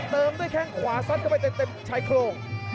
เติมด้วยแข้งขวาซัดเข้าไปเต็มชายโครง